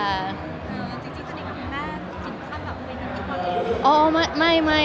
จริงสนิทกับพี่น้าคิดค่ะแบบเป็นที่คนเรียน